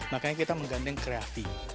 makanya kita menggandeng kreatif